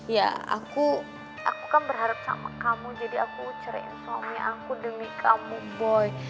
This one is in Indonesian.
ya aku kan berharap sama kamu jadi aku ceritain suami aku demi kamu boy